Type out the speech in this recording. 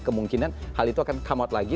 kemungkinan hal itu akan come out lagi